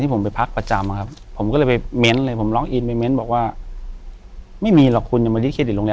ที่โรงแรมแห่ง